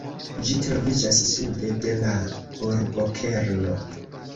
Ĝi troviĝas sude de la urbokerno.